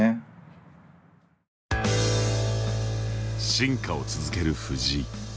進化を続ける藤井。